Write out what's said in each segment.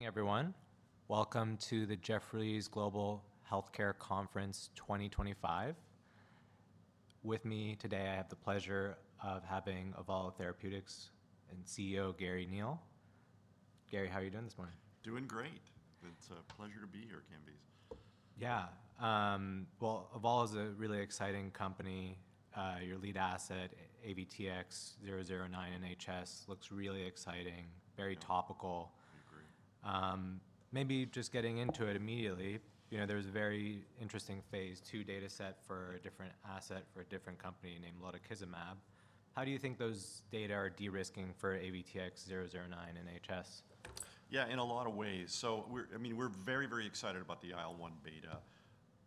Hey, everyone. Welcome to the Jefferies Global healthcare conference 2025. With me today, I have the pleasure of having Avalo Therapeutics and CEO Garry Neil. Garry, how are you doing this morning? Doing great. It's a pleasure to be here, Candace. Yeah. Avalo is a really exciting company. Your lead asset, AVTX-009 in HS, looks really exciting. Very topical. I agree. Maybe just getting into it immediately, there was a very interesting phase II data set for a different asset for a different company named lutikizumab. How do you think those data are de-risking for AVTX-009 in HS? Yeah, in a lot of ways. I mean, we're very, very excited about the IL-1β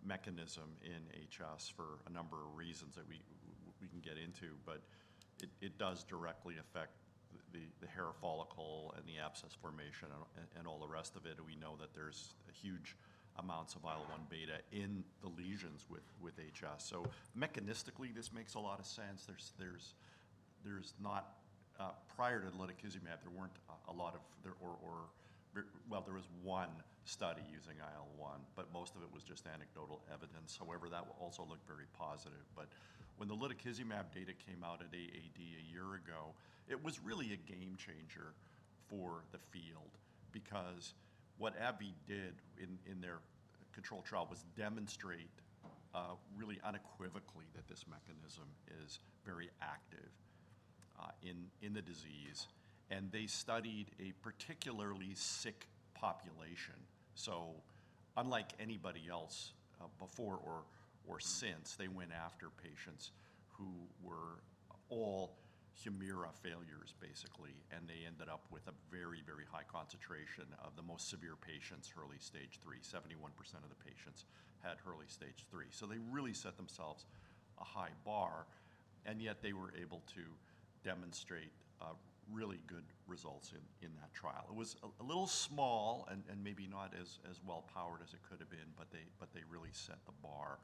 mechanism in HS for a number of reasons that we can get into, but it does directly affect the hair follicle and the abscess formation and all the rest of it. We know that there's huge amounts of IL-1β in the lesions with HS. Mechanistically, this makes a lot of sense. Prior to lutikizumab, there weren't a lot of—well, there was one study using IL-1, but most of it was just anecdotal evidence. However, that also looked very positive. When the lutikizumab data came out at AAD a year ago, it was really a game changer for the field because what AbbVie did in their control trial was demonstrate really unequivocally that this mechanism is very active in the disease. They studied a particularly sick population. Unlike anybody else before or since, they went after patients who were all Humira failures, basically. They ended up with a very, very high concentration of the most severe patients, early stage three. 71% of the patients had early stage three. They really set themselves a high bar. Yet they were able to demonstrate really good results in that trial. It was a little small and maybe not as well-powered as it could have been, but they really set the bar.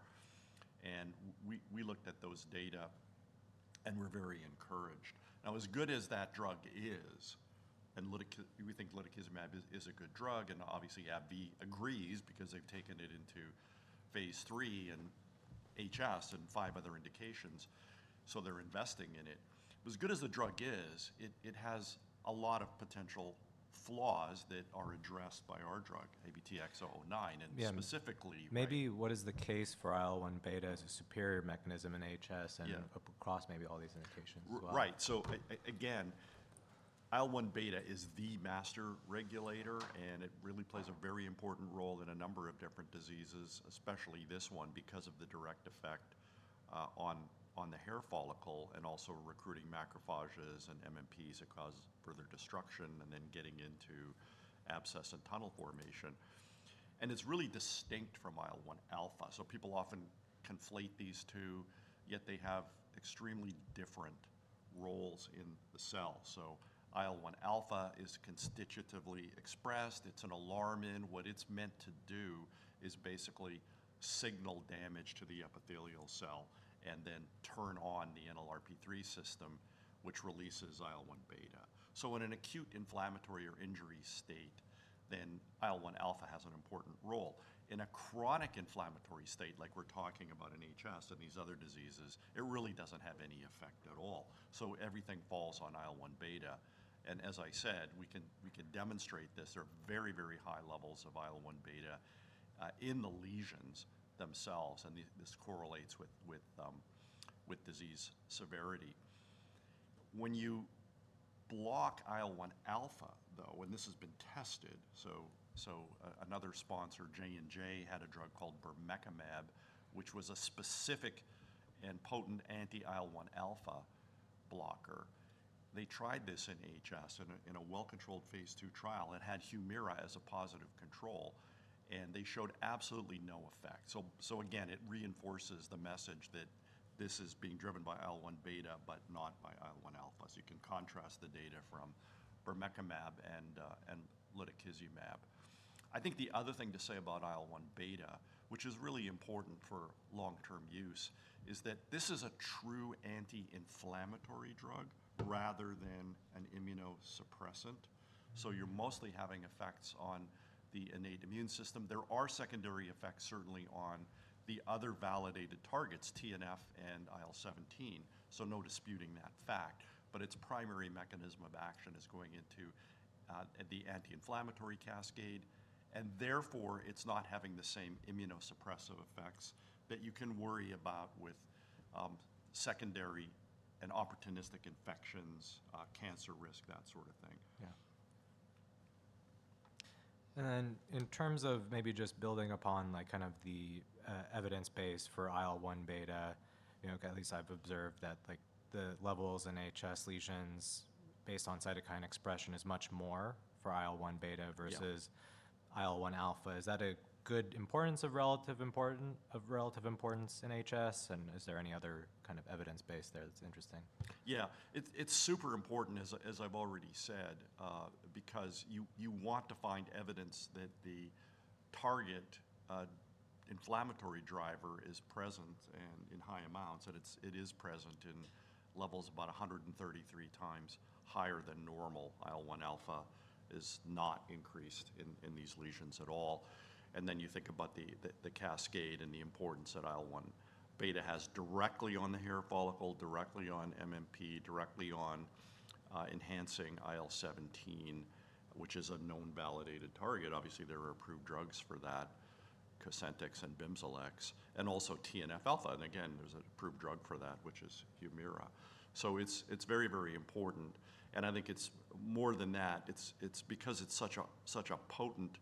We looked at those data and were very encouraged. Now, as good as that drug is, and we think lutikizumab is a good drug, and obviously AbbVie agrees because they've taken it into phase III in HS and five other indications. They're investing in it. As good as the drug is, it has a lot of potential flaws that are addressed by our drug, AVTX-009, and specifically. Maybe what is the case for IL-1β as a superior mechanism in HS and across maybe all these indications as well? Right. So again, IL-1β is the master regulator, and it really plays a very important role in a number of different diseases, especially this one because of the direct effect on the hair follicle and also recruiting macrophages and MMPs that cause further destruction and then getting into abscess and tunnel formation. It is really distinct from IL-1α. People often conflate these two, yet they have extremely different roles in the cell. IL-1α is constitutively expressed. It is an alarm in. What it is meant to do is basically signal damage to the epithelial cell and then turn on the NLRP3 system, which releases IL-1β. In an acute inflammatory or injury state, IL-1α has an important role. In a chronic inflammatory state like we are talking about in HS and these other diseases, it really does not have any effect at all. Everything falls on IL-1β. As I said, we can demonstrate this. There are very, very high levels of IL-1β in the lesions themselves. This correlates with disease severity. When you block IL-1α, though, and this has been tested, another sponsor, Johnson & Johnson, had a drug called bermekimab, which was a specific and potent anti-IL-1α blocker. They tried this in HS in a well-controlled phase II trial and had Humira as a positive control. They showed absolutely no effect. It reinforces the message that this is being driven by IL-1β, but not by IL-1α. You can contrast the data from bermekimab and lutikizumab. I think the other thing to say about IL-1β, which is really important for long-term use, is that this is a true anti-inflammatory drug rather than an immunosuppressant. You're mostly having effects on the innate immune system. There are secondary effects certainly on the other validated targets, TNF and IL-17. No disputing that fact. Its primary mechanism of action is going into the anti-inflammatory cascade. Therefore, it's not having the same immunosuppressive effects that you can worry about with secondary and opportunistic infections, cancer risk, that sort of thing. Yeah. In terms of maybe just building upon kind of the evidence base for IL-1β, at least I've observed that the levels in HS lesions based on cytokine expression is much more for IL-1β versus IL-1α. Is that a good importance of relative importance in HS? Is there any other kind of evidence base there that's interesting? Yeah. It's super important, as I've already said, because you want to find evidence that the target inflammatory driver is present in high amounts. And it is present in levels about 133 times higher than normal. IL-1α is not increased in these lesions at all. And then you think about the cascade and the importance that IL-1β has directly on the hair follicle, directly on MMPs, directly on enhancing IL-17, which is a known validated target. Obviously, there are approved drugs for that, Cosentyx and Bimzelx and also TNFα. And again, there's an approved drug for that, which is Humira. It's very, very important. I think it's more than that. It's because it's such a potent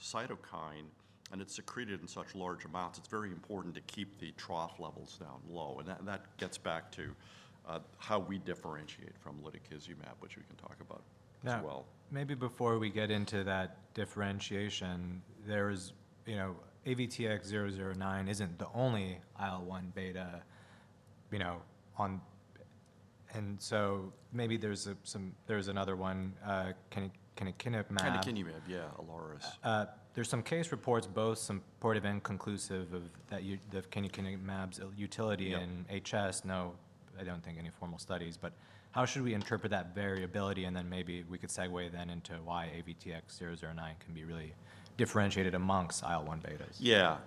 cytokine and it's secreted in such large amounts, it's very important to keep the trough levels down low. That gets back to how we differentiate from lutikizumab, which we can talk about as well. Maybe before we get into that differentiation, there is AVTX-009 isn't the only IL-1β on. And so maybe there's another one, canakinumab. Canakinumab, yeah, Ilaris. There's some case reports, both supportive and conclusive of the canakinumab's utility in HS. No, I don't think any formal studies. How should we interpret that variability? Maybe we could segue then into why AVTX-009 can be really differentiated amongst IL-1 betas. Yeah.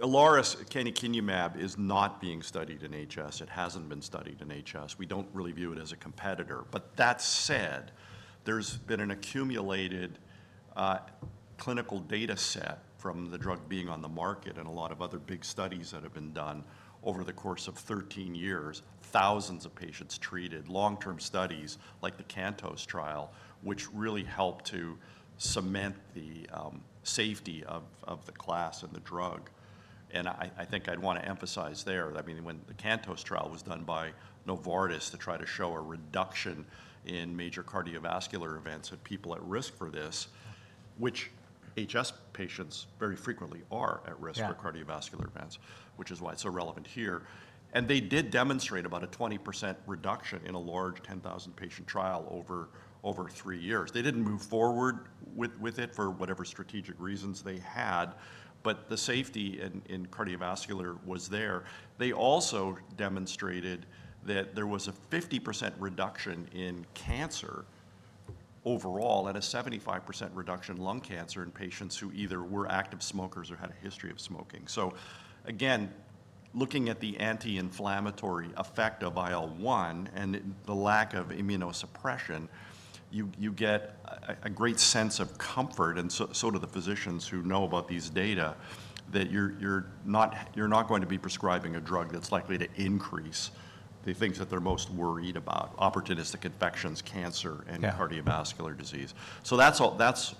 Ilaris canakinumab is not being studied in HS. It hasn't been studied in HS. We don't really view it as a competitor. That said, there's been an accumulated clinical data set from the drug being on the market and a lot of other big studies that have been done over the course of 13 years, thousands of patients treated, long-term studies like the CANTOS trial, which really helped to cement the safety of the class and the drug. I think I'd want to emphasize there, I mean, when the CANTOS trial was done by Novartis to try to show a reduction in major cardiovascular events in people at risk for this, which HS patients very frequently are at risk for cardiovascular events, which is why it's so relevant here. They did demonstrate about a 20% reduction in a large 10,000-patient trial over three years. They did not move forward with it for whatever strategic reasons they had, but the safety in cardiovascular was there. They also demonstrated that there was a 50% reduction in cancer overall and a 75% reduction in lung cancer in patients who either were active smokers or had a history of smoking. Again, looking at the anti-inflammatory effect of IL-1 and the lack of immunosuppression, you get a great sense of comfort. Physicians who know about these data also feel that you are not going to be prescribing a drug that is likely to increase the things that they are most worried about: opportunistic infections, cancer, and cardiovascular disease. That is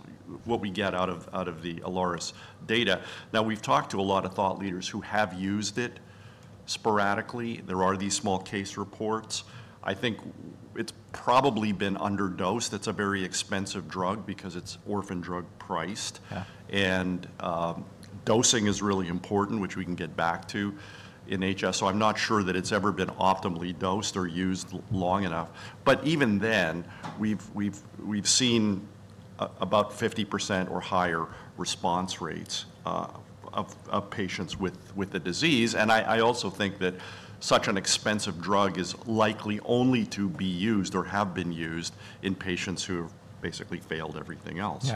what we get out of the CANTOS trial data. We have talked to a lot of thought leaders who have used it sporadically. There are these small case reports. I think it has probably been underdosed. It's a very expensive drug because it's orphan drug priced. Dosing is really important, which we can get back to in HS. I'm not sure that it's ever been optimally dosed or used long enough. Even then, we've seen about 50% or higher response rates of patients with the disease. I also think that such an expensive drug is likely only to be used or have been used in patients who have basically failed everything else.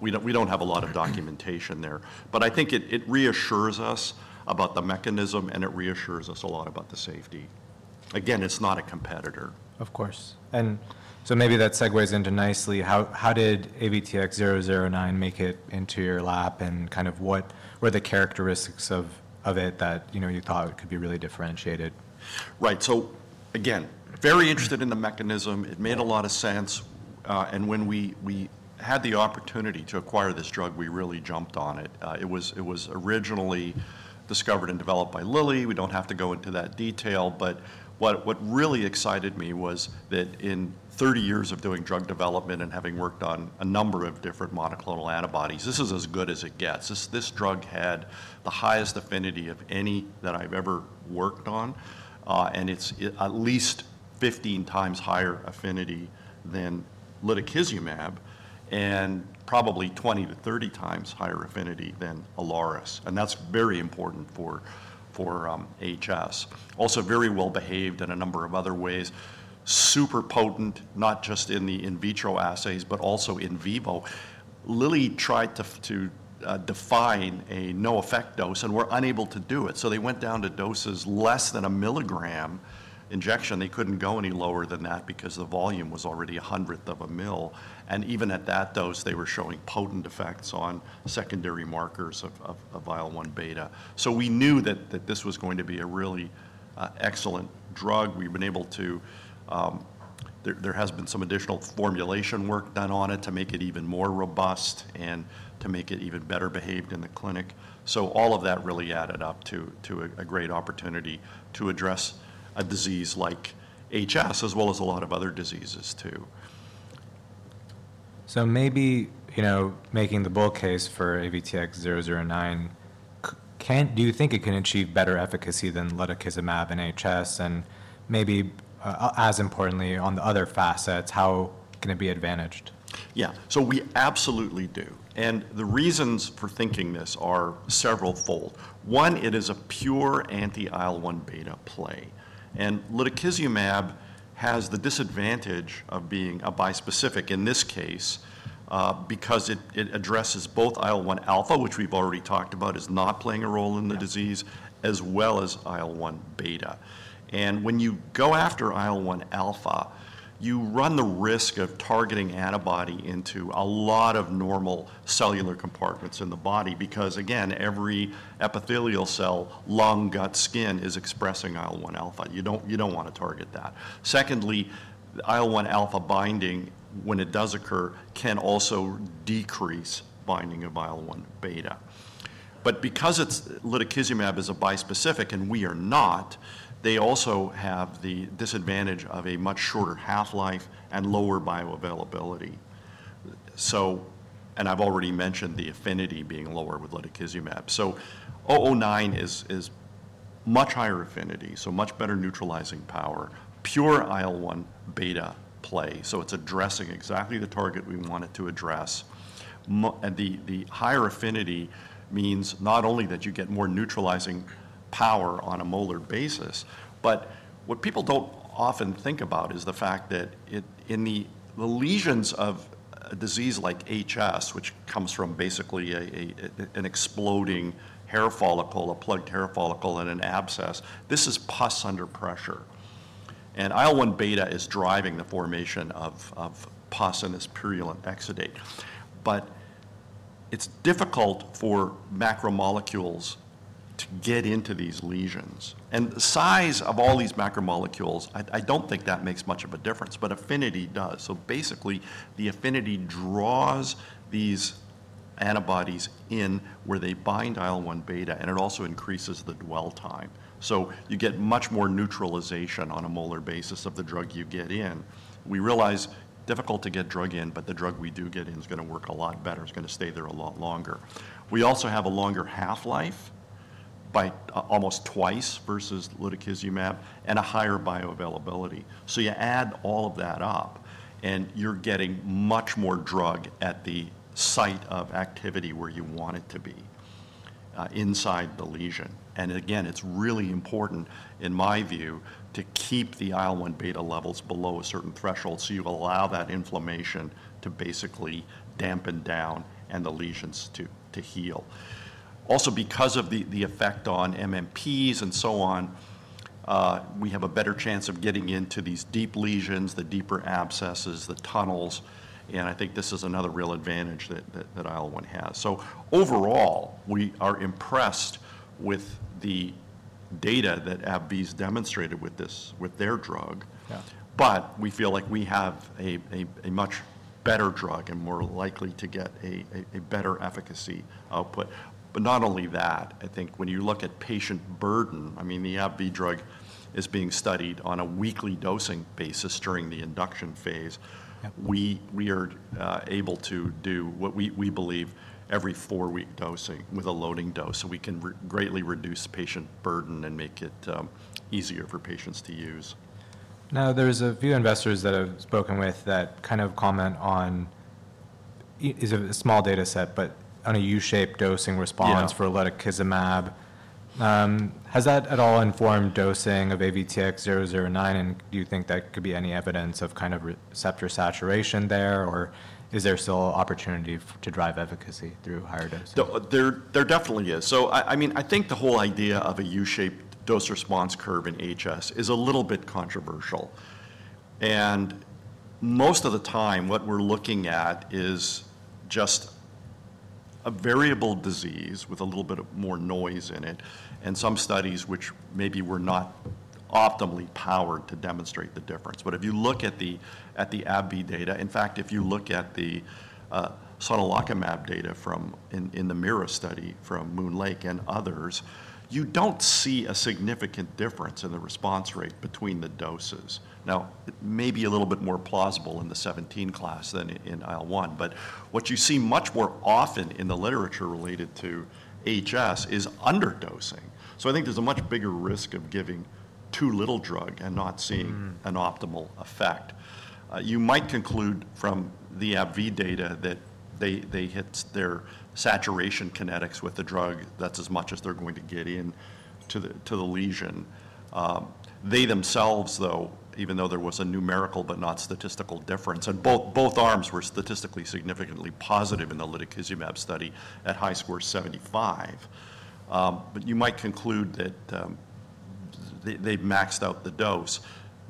We don't have a lot of documentation there. I think it reassures us about the mechanism, and it reassures us a lot about the safety. Again, it's not a competitor. Of course. Maybe that segues in nicely, how did AVTX-009 make it into your lap? And kind of what were the characteristics of it that you thought it could be really differentiated? Right. So again, very interested in the mechanism. It made a lot of sense. When we had the opportunity to acquire this drug, we really jumped on it. It was originally discovered and developed by Lilly. We do not have to go into that detail. What really excited me was that in 30 years of doing drug development and having worked on a number of different monoclonal antibodies, this is as good as it gets. This drug had the highest affinity of any that I have ever worked on. It is at least 15 times higher affinity than lutikizumab and probably 20-30 times higher affinity than Ilaris. That is very important for HS. Also very well behaved in a number of other ways. Super potent, not just in the in vitro assays, but also in vivo. Lilly tried to define a no effect dose, and we were unable to do it. They went down to doses less than 1 milligram injection. They could not go any lower than that because the volume was already a hundredth of a mill. Even at that dose, they were showing potent effects on secondary markers of IL-1β. We knew that this was going to be a really excellent drug. We have been able to—there has been some additional formulation work done on it to make it even more robust and to make it even better behaved in the clinic. All of that really added up to a great opportunity to address a disease like HS, as well as a lot of other diseases too. Maybe making the bull case for AVTX-009, do you think it can achieve better efficacy than lutikizumab in HS? Maybe as importantly, on the other facets, how can it be advantaged? Yeah. So we absolutely do. And the reasons for thinking this are several-fold. One, it is a pure anti-IL-1β play. And lutikizumab has the disadvantage of being a bispecific in this case because it addresses both IL-1α, which we've already talked about is not playing a role in the disease, as well as IL-1β. And when you go after IL-1α, you run the risk of targeting antibody into a lot of normal cellular compartments in the body because, again, every epithelial cell, lung, gut, skin is expressing IL-1α. You do not want to target that. Secondly, IL-1α binding, when it does occur, can also decrease binding of IL-1β. But because lutikizumab is a bispecific and we are not, they also have the disadvantage of a much shorter half-life and lower bioavailability. And I have already mentioned the affinity being lower with lutikizumab. 009 is much higher affinity, so much better neutralizing power, pure IL-1β play. It is addressing exactly the target we wanted to address. The higher affinity means not only that you get more neutralizing power on a molar basis, but what people do not often think about is the fact that in the lesions of a disease like HS, which comes from basically an exploding hair follicle, a plugged hair follicle in an abscess, this is pus under pressure. IL-1β is driving the formation of pus and this purulent exudate. It is difficult for macromolecules to get into these lesions. The size of all these macromolecules, I do not think that makes much of a difference, but affinity does. Basically, the affinity draws these antibodies in where they bind IL-1β, and it also increases the dwell time. You get much more neutralization on a molar basis of the drug you get in. We realize it's difficult to get drug in, but the drug we do get in is going to work a lot better. It's going to stay there a lot longer. We also have a longer half-life by almost twice versus lutikizumab and a higher bioavailability. You add all of that up, and you're getting much more drug at the site of activity where you want it to be inside the lesion. Again, it's really important, in my view, to keep the IL-1β levels below a certain threshold so you allow that inflammation to basically dampen down and the lesions to heal. Also, because of the effect on MMPs and so on, we have a better chance of getting into these deep lesions, the deeper abscesses, the tunnels. I think this is another real advantage that IL-1 has. Overall, we are impressed with the data that AbbVie has demonstrated with their drug. We feel like we have a much better drug and we're likely to get a better efficacy output. Not only that, I think when you look at patient burden, I mean, the AbbVie drug is being studied on a weekly dosing basis during the induction phase. We are able to do what we believe every four-week dosing with a loading dose. We can greatly reduce patient burden and make it easier for patients to use. Now, there's a few investors that I've spoken with that kind of comment on, it's a small data set, but on a U-shaped dosing response for lutikizumab. Has that at all informed dosing of AVTX-009? And do you think that could be any evidence of kind of receptor saturation there? Or is there still opportunity to drive efficacy through higher dosing? There definitely is. I mean, I think the whole idea of a U-shaped dose response curve in HS is a little bit controversial. Most of the time, what we're looking at is just a variable disease with a little bit more noise in it and some studies which maybe were not optimally powered to demonstrate the difference. If you look at the AbbVie data, in fact, if you look at the sonelokimab data in the MIRA study from MoonLake and others, you do not see a significant difference in the response rate between the doses. It may be a little bit more plausible in the 17 class than in IL-1. What you see much more often in the literature related to HS is underdosing. I think there is a much bigger risk of giving too little drug and not seeing an optimal effect. You might conclude from the AbbVie data that they hit their saturation kinetics with the drug. That's as much as they're going to get into the lesion. They themselves, though, even though there was a numerical but not statistical difference, and both arms were statistically significantly positive in the lutikizumab study at HiSCR 75. You might conclude that they maxed out the dose.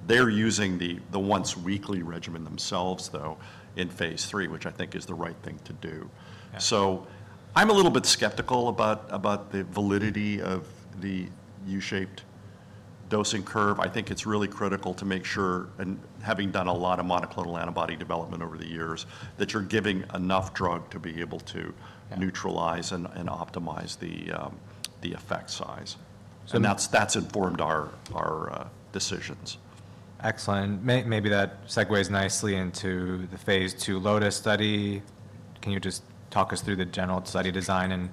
They're using the once-weekly regimen themselves, though, in phase III, which I think is the right thing to do. I'm a little bit skeptical about the validity of the U-shaped dosing curve. I think it's really critical to make sure, having done a lot of monoclonal antibody development over the years, that you're giving enough drug to be able to neutralize and optimize the effect size. That's informed our decisions. Excellent. Maybe that segues nicely into the phase II LOTUS study. Can you just talk us through the general study design?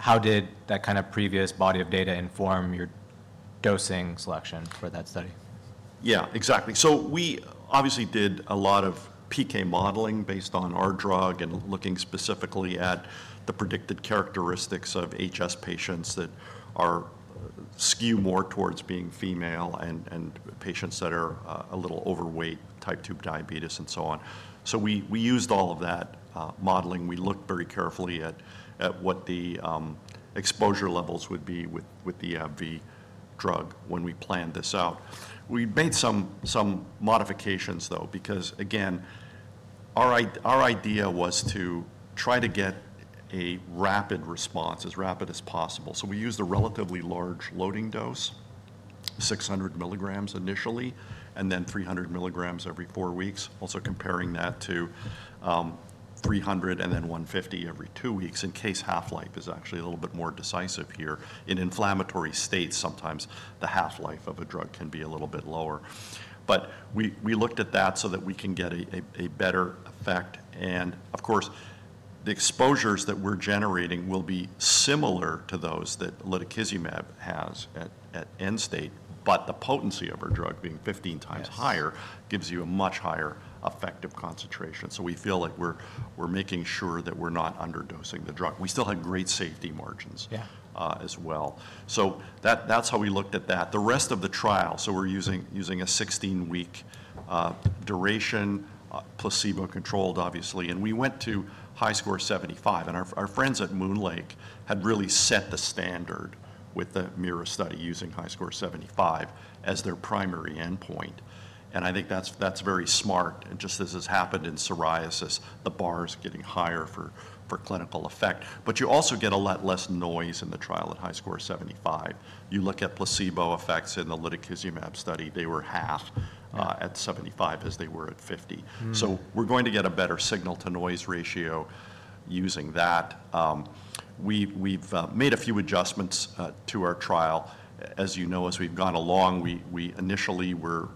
How did that kind of previous body of data inform your dosing selection for that study? Yeah, exactly. We obviously did a lot of PK modeling based on our drug and looking specifically at the predicted characteristics of HS patients that skew more towards being female and patients that are a little overweight, type 2 diabetes, and so on. We used all of that modeling. We looked very carefully at what the exposure levels would be with the AbbVie drug when we planned this out. We made some modifications, though, because, again, our idea was to try to get a rapid response as rapid as possible. We used a relatively large loading dose, 600 milligrams initially, and then 300 milligrams every four weeks, also comparing that to 300 and then 150 every two weeks in case half-life is actually a little bit more decisive here. In inflammatory states, sometimes the half-life of a drug can be a little bit lower. We looked at that so that we can get a better effect. Of course, the exposures that we're generating will be similar to those that lutikizumab has at end state. The potency of our drug being 15 times higher gives you a much higher effective concentration. We feel like we're making sure that we're not underdosing the drug. We still have great safety margins as well. That's how we looked at that. The rest of the trial, we're using a 16-week duration, placebo-controlled, obviously. We went to HiSCR 75. Our friends at MoonLake had really set the standard with the MIRA study using HiSCR 75 as their primary endpoint. I think that's very smart. Just as has happened in psoriasis, the bar is getting higher for clinical effect. You also get a lot less noise in the trial at HiSCR 75. You look at placebo effects in the lutikizumab study, they were half at 75 as they were at 50. We are going to get a better signal-to-noise ratio using that. We have made a few adjustments to our trial. As you know, as we have gone along, we initially were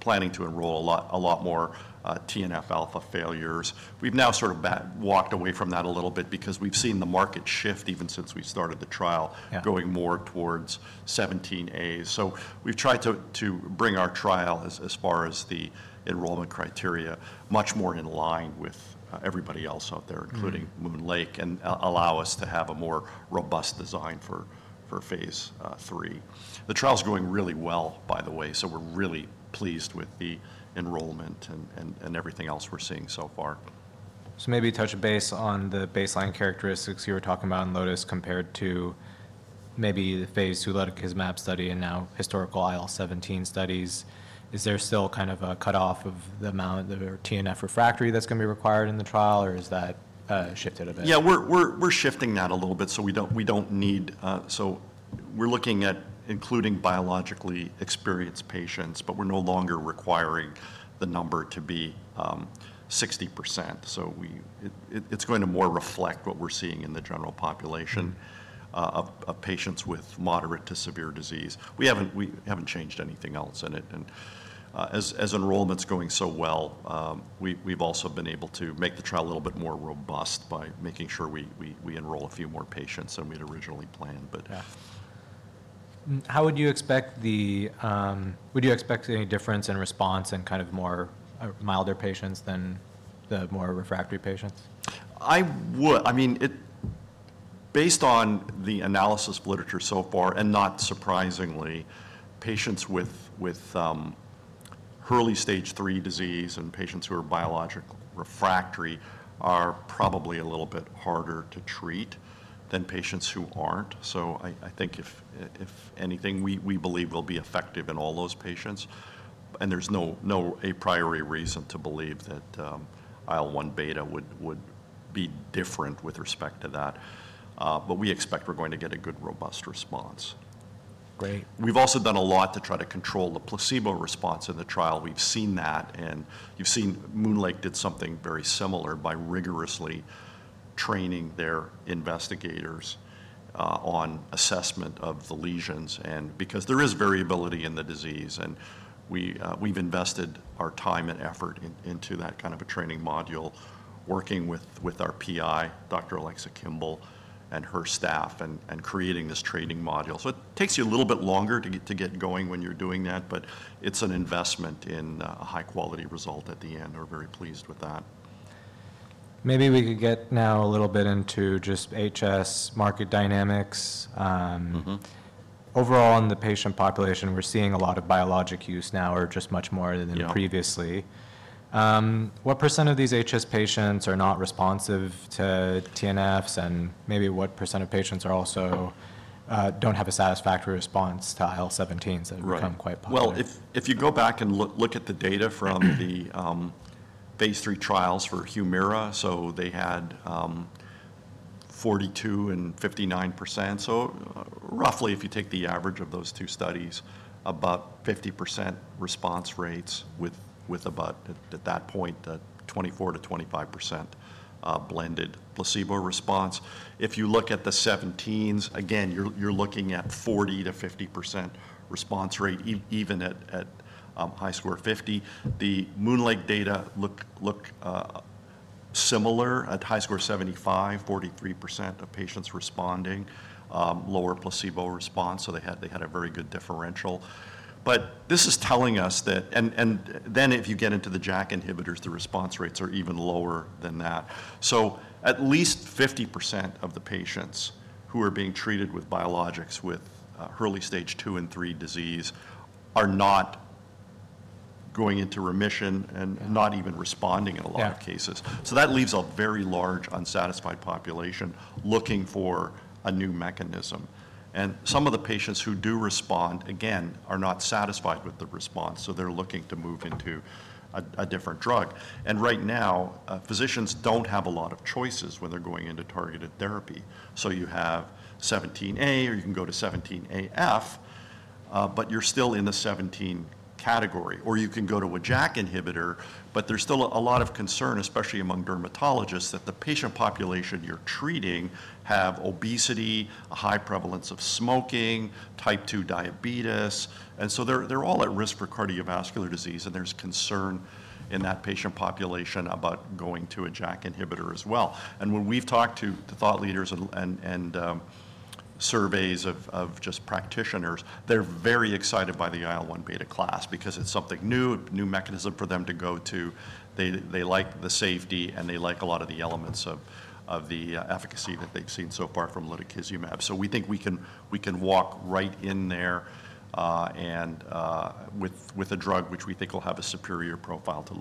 planning to enroll a lot more TNF alpha failures. We have now sort of walked away from that a little bit because we have seen the market shift even since we started the trial going more towards 17As. We have tried to bring our trial as far as the enrollment criteria much more in line with everybody else out there, including MoonLake, and allow us to have a more robust design for phase III. The trial is going really well, by the way. We're really pleased with the enrollment and everything else we're seeing so far. Maybe touch base on the baseline characteristics you were talking about in LOTUS compared to maybe the phase II lutikizumab study and now historical IL-17 studies. Is there still kind of a cutoff of the amount of TNF refractory that's going to be required in the trial, or is that shifted a bit? Yeah, we're shifting that a little bit so we don't need—so we're looking at including biologically experienced patients, but we're no longer requiring the number to be 60%. It is going to more reflect what we're seeing in the general population of patients with moderate to severe disease. We haven't changed anything else in it. As enrollment's going so well, we've also been able to make the trial a little bit more robust by making sure we enroll a few more patients than we'd originally planned. How would you expect the—would you expect any difference in response in kind of more milder patients than the more refractory patients? I mean, based on the analysis literature so far, and not surprisingly, patients with early stage three disease and patients who are biologically refractory are probably a little bit harder to treat than patients who aren't. I think, if anything, we believe we'll be effective in all those patients. There's no a priori reason to believe that IL-1β would be different with respect to that. We expect we're going to get a good, robust response. Great. We've also done a lot to try to control the placebo response in the trial. We've seen that. You have seen MoonLake did something very similar by rigorously training their investigators on assessment of the lesions. Because there is variability in the disease, we have invested our time and effort into that kind of a training module, working with our PI, Dr. Alexa Kimble, and her staff, and creating this training module. It takes you a little bit longer to get going when you are doing that, but it is an investment in a high-quality result at the end. We are very pleased with that. Maybe we could get now a little bit into just HS market dynamics. Overall, in the patient population, we're seeing a lot of biologic use now, or just much more than previously. What % of these HS patients are not responsive to TNFs? And maybe what % of patients also don't have a satisfactory response to IL-17s that have become quite positive? If you go back and look at the data from the phase III trials for Humira, they had 42% and 59%. If you take the average of those two studies, about 50% response rates with about, at that point, 24%-25% blended placebo response. If you look at the 17s, again, you're looking at 40%-50% response rate, even at HiSCR 50. The MoonLake data look similar at HiSCR 75, 43% of patients responding, lower placebo response. They had a very good differential. This is telling us that—and then if you get into the JAK inhibitors, the response rates are even lower than that. At least 50% of the patients who are being treated with biologics with early stage two and three disease are not going into remission and not even responding in a lot of cases. That leaves a very large unsatisfied population looking for a new mechanism. Some of the patients who do respond, again, are not satisfied with the response. They're looking to move into a different drug. Right now, physicians do not have a lot of choices when they're going into targeted therapy. You have 17A, or you can go to 17AF, but you're still in the 17 category. You can go to a JAK inhibitor, but there's still a lot of concern, especially among dermatologists, that the patient population you're treating has obesity, a high prevalence of smoking, type 2 diabetes. They're all at risk for cardiovascular disease. There is concern in that patient population about going to a JAK inhibitor as well. When we have talked to thought leaders and surveys of just practitioners, they are very excited by the IL-1β class because it is something new, a new mechanism for them to go to. They like the safety, and they like a lot of the elements of the efficacy that they have seen so far from lutikizumab. We think we can walk right in there with a drug which we think will have a superior profile to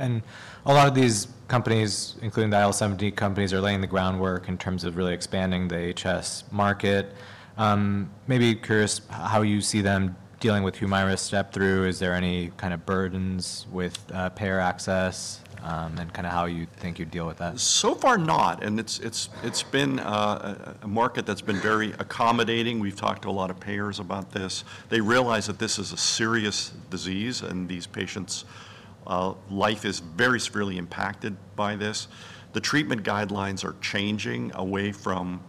lutikizumab. A lot of these companies, including the IL-17 companies, are laying the groundwork in terms of really expanding the HS market. Maybe curious how you see them dealing with Humira step through. Is there any kind of burdens with payer access and kind of how you think you'd deal with that? So far, not. It has been a market that has been very accommodating. We've talked to a lot of payers about this. They realize that this is a serious disease, and these patients' life is very severely impacted by this. The treatment guidelines are changing away from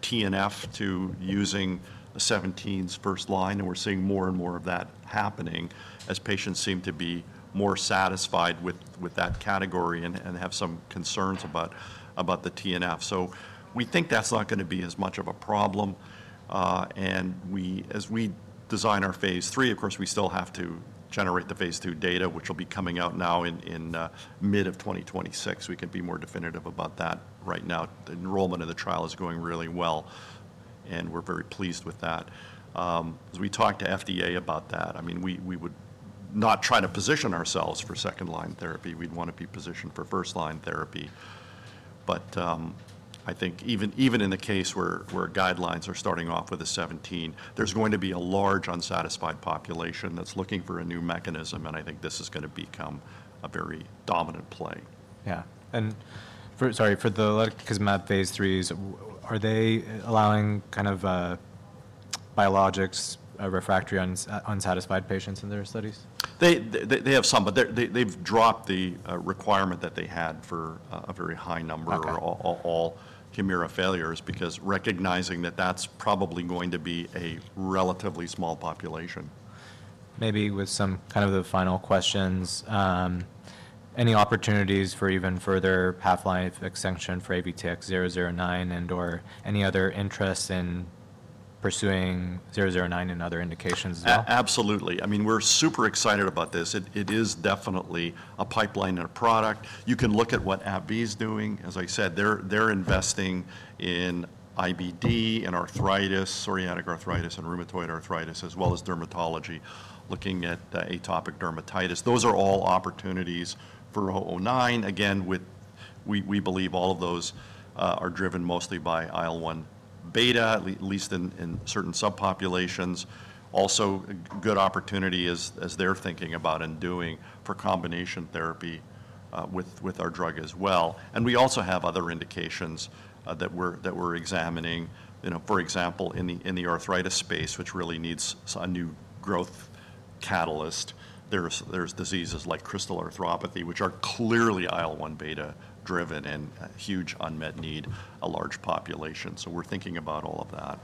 TNF to using 17s first line. We're seeing more and more of that happening as patients seem to be more satisfied with that category and have some concerns about the TNF. We think that's not going to be as much of a problem. As we design our phase III, of course, we still have to generate the phase II data, which will be coming out now in mid 2026. We can be more definitive about that right now. Enrollment in the trial is going really well, and we're very pleased with that. As we talked to FDA about that, I mean, we would not try to position ourselves for second-line therapy. We'd want to be positioned for first-line therapy. I think even in the case where guidelines are starting off with a 17, there's going to be a large unsatisfied population that's looking for a new mechanism. I think this is going to become a very dominant play. Yeah. Sorry, for the lutikizumab phase IIIs, are they allowing kind of biologics refractory unsatisfied patients in their studies? They have some, but they've dropped the requirement that they had for a very high number or all Humira failures because recognizing that that's probably going to be a relatively small population. Maybe with some kind of the final questions, any opportunities for even further pipeline extension for AVTX-009 and/or any other interest in pursuing 009 and other indications as well? Absolutely. I mean, we're super excited about this. It is definitely a pipeline and a product. You can look at what AbbVie is doing. As I said, they're investing in IBD and arthritis, psoriatic arthritis and rheumatoid arthritis, as well as dermatology looking at atopic dermatitis. Those are all opportunities for 009. Again, we believe all of those are driven mostly by IL-1β, at least in certain subpopulations. Also, a good opportunity as they're thinking about and doing for combination therapy with our drug as well. We also have other indications that we're examining. For example, in the arthritis space, which really needs a new growth catalyst, there's diseases like crystal arthropathy, which are clearly IL-1β driven and a huge unmet need, a large population. We're thinking about all of that.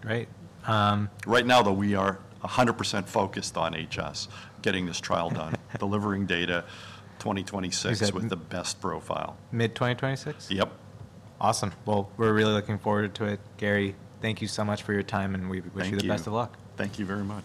Great. Right now, though, we are 100% focused on HS, getting this trial done, delivering data 2026 with the best profile. Mid 2026? Yep. Awesome. We are really looking forward to it. Garry, thank you so much for your time, and we wish you the best of luck. Thank you very much.